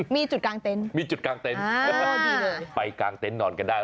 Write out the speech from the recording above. มีจุดกลางเต็นต์มีจุดกลางเต็นต์ไปกางเต็นต์นอนกันได้